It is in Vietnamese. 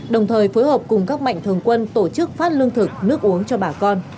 đồng thời phối hợp cùng các mạnh thường quân tổ chức phát lương thực nước uống cho bà con